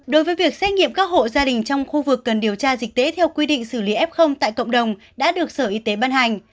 đối với việc xét nghiệm các hộ gia đình trong khu vực cần điều tra dịch tễ theo quy định xử lý f tại cộng đồng đã được sở y tế ban hành